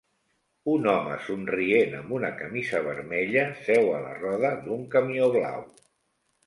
Un home somrient amb una camisa vermella seu a la roda d'un camió blau.